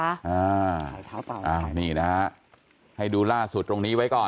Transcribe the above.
อ่านี่นะฮะให้ดูล่าสุดตรงนี้ไว้ก่อน